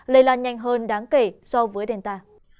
lây lan nhanh hơn đáng kể so với delta